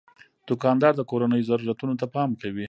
دوکاندار د کورنیو ضرورتونو ته پام کوي.